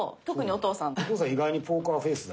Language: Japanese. お父さん意外にポーカーフェースだから。